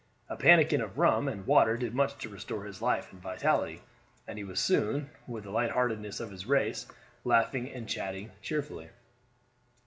A pannikin of rum and water did much to restore his life and vitality, and he was soon, with the light heartedness of his race, laughing and chatting cheerfully.